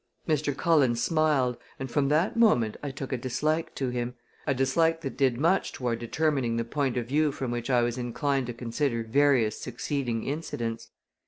Mr. Cullen smiled, and from that moment I took a dislike to him a dislike that did much toward determining the point of view from which I was inclined to consider various succeeding incidents.